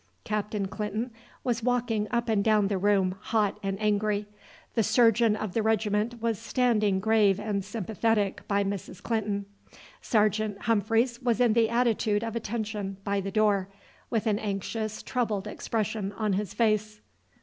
Captain Clinton was walking up and down the room, hot and angry. The surgeon of the regiment was standing grave and sympathetic by Mrs. Clinton. Sergeant Humphreys was in the attitude of attention by the door, with an anxious troubled expression on his face.